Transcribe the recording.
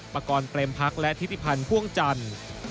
ประกอบเปลมพักและอธิตภัณฑ์พ่วงจันทร์